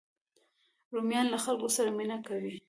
رومیان له خلکو سره مینه کوي